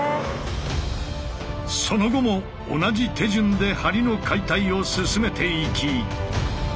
その後も同じ手順で梁の解体を進めていき。